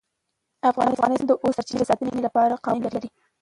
افغانستان د د اوبو سرچینې د ساتنې لپاره قوانین لري.